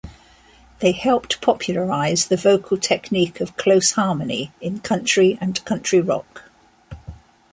They helped popularize the vocal technique of close harmony in country and country-rock.